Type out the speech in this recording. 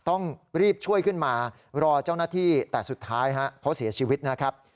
ต้องรีบช่วยขึ้นมารอเจ้าหน้าที่แต่สุดท้ายเขาเสียชีวิตนะครับ